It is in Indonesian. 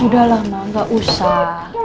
udah lah ma gak usah